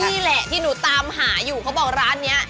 นี่แหละที่หนูตามหาอยู่เขาบอกร้านนี้